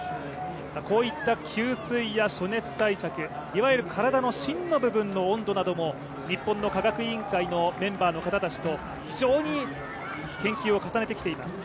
こういった給水や暑熱対策、いわゆる体の芯の部分の温度なども日本の科学委員会のメンバーの方たちと、非常に研究を重ねてきています。